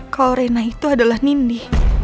kalau rena itu adalah nindi